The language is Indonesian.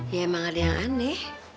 ya emang ada yang aneh